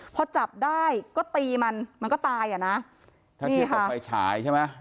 พอจับได้ก็ตีมันมันก็ตายอ่ะนะนี่ค่ะถ้าที่ตกไฟฉายใช่ไหม